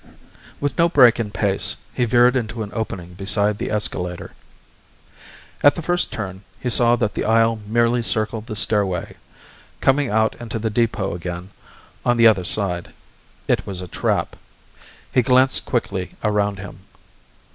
With no break in pace he veered into an opening beside the escalator. At the first turn he saw that the aisle merely circled the stairway, coming out into the depot again on the other side. It was a trap. He glanced quickly around him.